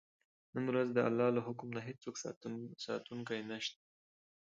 نن ورځ د الله له حکم نه هېڅوک ساتونکی نه شته.